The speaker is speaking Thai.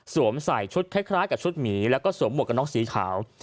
ใส่ชุดคล้ายกับชุดหมีแล้วก็สวมหวกกันน็อกสีขาว